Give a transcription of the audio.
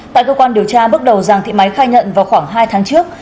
tại cơ quan điều tra bước đầu giàng thị máy khai nhận vào khoảng hai tháng trước